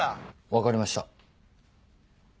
分かりました。